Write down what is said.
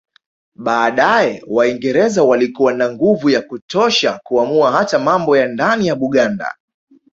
Baadae Waingereza walikuwa na nguvu ya kutosha kuamua hata mambo ya ndani ya Buganda